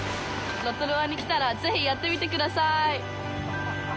ロトルアに来たらぜひやってみてください。